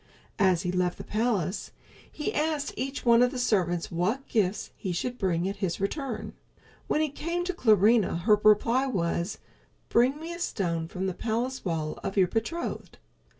As he left the palace he asked each one of the servants what gifts he should bring at his return. When he came to Clarinha, her reply was, "Bring me a stone from the palace wall of your betrothed."